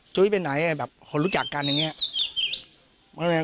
จุ้ยไปไหนแบบคนรู้จักกันอย่างนี้